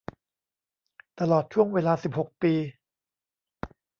ตลอดช่วงเวลา สิบหก ปี